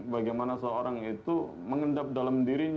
bagaimana seorang itu mengendap dalam dirinya